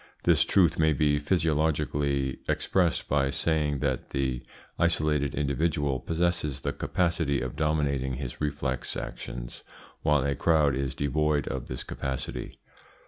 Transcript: This truth may be physiologically expressed by saying that the isolated individual possesses the capacity of dominating his reflex actions, while a crowd is devoid of this capacity.